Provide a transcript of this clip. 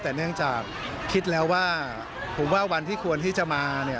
แต่เนื่องจากคิดแล้วว่าผมว่าวันที่ควรที่จะมาเนี่ย